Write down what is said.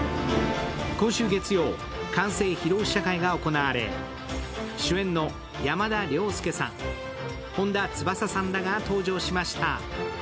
今週月曜、完成披露試写会が行われ主演の山田涼介さん、本田翼さんらが登場しました。